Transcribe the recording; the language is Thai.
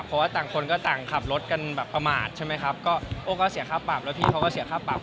เพราะว่าต่างคนก็ต่างขับรถกันแบบประมาทใช่ไหมครับก็โอ้ก็เสียค่าปรับแล้วพี่เขาก็เสียค่าปรับ